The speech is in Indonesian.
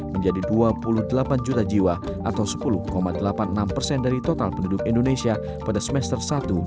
menjadi dua puluh delapan juta jiwa atau sepuluh delapan puluh enam persen dari total penduduk indonesia pada semester satu dua ribu dua puluh